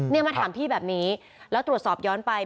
มาถามพี่แบบนี้แล้วตรวจสอบย้อนไป